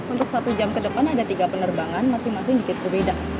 untuk satu jam ke depan ada tiga penerbangan masing masing dikit berbeda